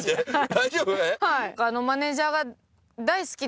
大丈夫？